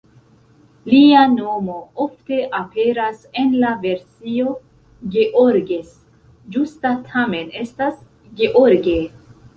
Lia nomo ofte aperas en la versio "Georges"; ĝusta tamen estas "George".